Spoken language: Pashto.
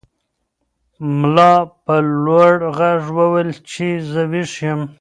ملا په لوړ غږ وویل چې زه ویښ یم.